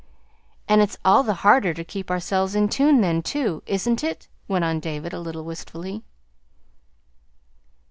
"And it's all the harder to keep ourselves in tune then, too, is n't it?" went on David, a little wistfully.